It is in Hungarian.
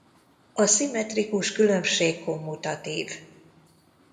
A szimmetrikus különbség kommutatív.